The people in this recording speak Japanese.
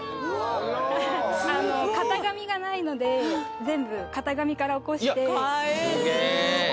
あの型紙がないので全部型紙から起こしてえぇ！